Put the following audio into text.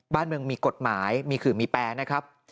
บ้านเมืองมีกฎหมายมีขื่อมีแปรนะครับ